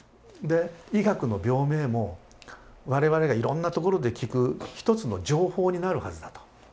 で医学の病名も我々がいろんなところで聞く一つの情報になるはずだと。